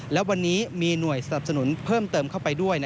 และวันนี้มีหน่วยสนับสนุนเพิ่มเติมเข้าไปด้วย